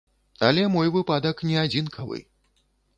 Але мой выпадак не адзінкавы.